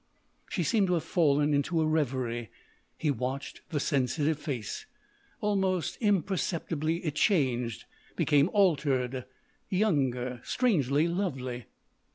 She seemed to have fallen into a revery; he watched the sensitive face. Almost imperceptibly it changed; became altered, younger, strangely lovely.